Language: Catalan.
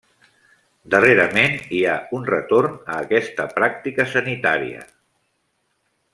Darrerament hi ha un retorn a aquesta pràctica sanitària.